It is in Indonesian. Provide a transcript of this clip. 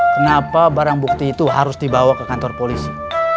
kenapa barang bukti itu harus dibawa ke kantor polisi